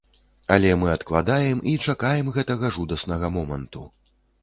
Але мы адкладаем і чакаем гэтага жудаснага моманту.